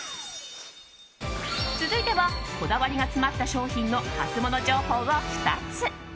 続いてはこだわりが詰まった商品のハツモノ情報を２つ。